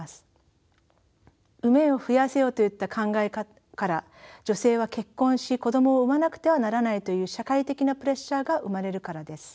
「産めよ増やせよ」といった考えから女性は結婚し子供を産まなくてはならないという社会的なプレッシャーが生まれるからです。